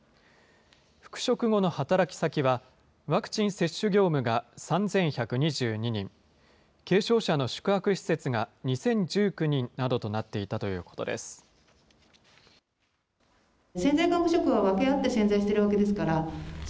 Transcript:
復職後の働き先は、ワクチン接種業務が３１２２人、軽症者の宿泊施設が２０１９人などとなっていたということです。